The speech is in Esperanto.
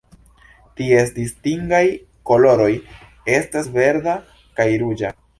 Ties distingaj koloroj estas verda kaj ruĝa.